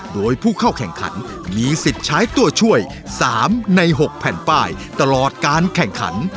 โดยผู้เข้าแข่งขันมีสิทธิ์ใช้ตัวช่วย๓ใน๖แผ่นป้ายตลอดการแข่งขัน